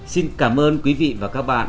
xin cảm ơn quý vị và các bạn